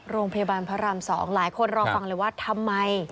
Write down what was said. โรงพยาบาลพระราม๒หลายคนรอฟังเลยว่าทำไม